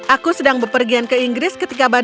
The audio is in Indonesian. aku sedang berpergian ke inggris ketika berbicara